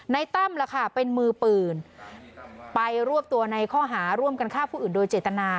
ตั้มล่ะค่ะเป็นมือปืนไปรวบตัวในข้อหาร่วมกันฆ่าผู้อื่นโดยเจตนา